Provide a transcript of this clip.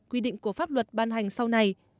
quy định của pháp luật ban hành sau này